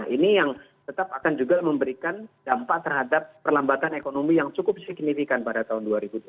ini yang tetap akan juga memberikan dampak terhadap perlambatan ekonomi yang cukup signifikan pada tahun dua ribu dua puluh